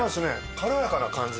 軽やかな感じが。